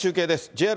ＪＲ